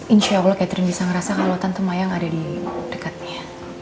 insya allah catering bisa ngerasa kalau tante mayang ada di dekatnya